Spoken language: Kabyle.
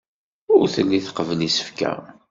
Ur telli tqebbel isefka.